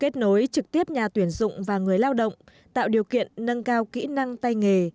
kết nối trực tiếp nhà tuyển dụng và người lao động tạo điều kiện nâng cao kỹ năng tay nghề